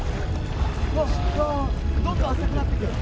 うわ、どんどん浅くなっていく。